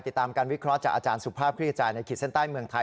ติดตามการวิเคราะห์จากอาจารย์สุภาพคลี่จายในขีดเส้นใต้เมืองไทย